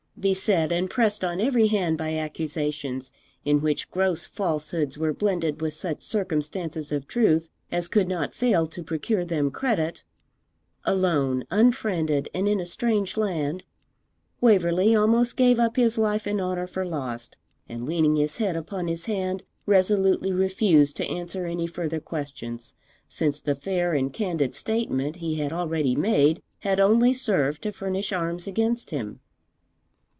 Beset and pressed on every hand by accusations, in which gross falsehoods were blended with such circumstances of truth as could not fail to procure them credit, alone, unfriended, and in a strange land, Waverley almost gave up his life and honour for lost, and, leaning his head upon his hand, resolutely refused to answer any further questions, since the fair and candid statement he had already made had only served to furnish arms against him.